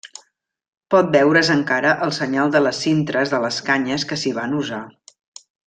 Pot veure's encara el senyal de les cintres de les canyes que s'hi van usar.